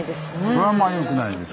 それはまあよくないですね。